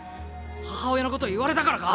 母親のこと言われたからか？